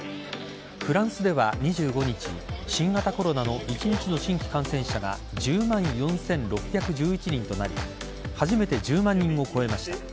フランスでは２５日新型コロナの一日の新規感染者が１０万４６１１人となり初めて１０万人を超えました。